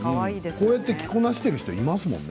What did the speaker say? こうやって着こなしている人、いますよね。